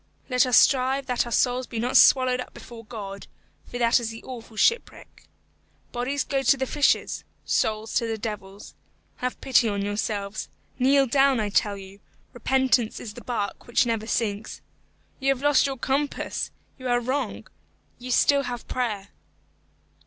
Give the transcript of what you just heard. Let us strive that our souls be not swallowed up before God, for that is the awful shipwreck. Bodies go to the fishes, souls to the devils. Have pity on yourselves. Kneel down, I tell you. Repentance is the bark which never sinks. You have lost your compass! You are wrong! You still have prayer."